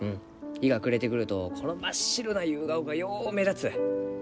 日が暮れてくるとこの真っ白なユウガオがよう目立つ。